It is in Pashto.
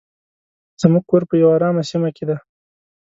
زموږ کور په یو ارامه سیمه کې دی.